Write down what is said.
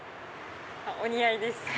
お似合いです。